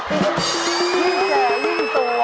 ยิ่งแกะยิ่งสวย